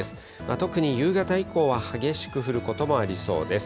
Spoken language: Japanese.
特に夕方以降は激しく降ることもありそうです。